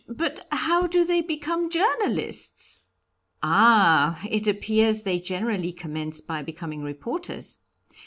But how do they become journalists?" "Ah! It appears they generally commence by being reporters.